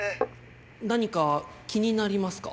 何か気になりますか？